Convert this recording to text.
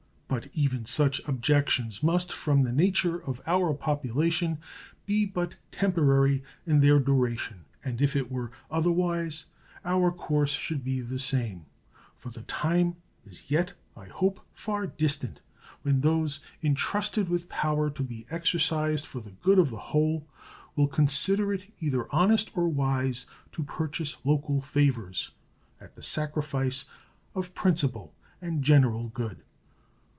But even such objections must from the nature of our population be but temporary in their duration, and if it were otherwise our course should be the same, for the time is yet, I hope, far distant when those intrusted with power to be exercised for the good of the whole will consider it either honest or wise to purchase local favors at the sacrifice of principle and general good.